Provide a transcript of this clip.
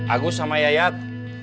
agus sama yayat